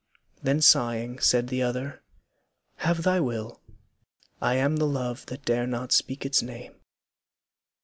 Then sighing, said the other, 'Have thy will, I am the love that dare not speak its name.'